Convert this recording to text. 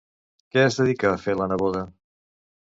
Què es dedica a fer la neboda?